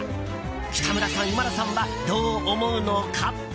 北村さん、今田さんはどう思うのか。